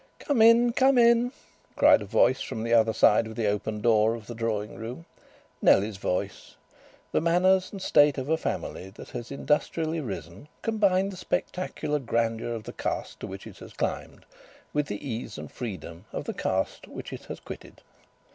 "Come in! Come in!" cried a voice from the other side of the open door of the drawing room, Nellie's voice! The manners and state of a family that has industrially risen combine the spectacular grandeur of the caste to which it has climbed with the ease and freedom of the caste which it has quitted.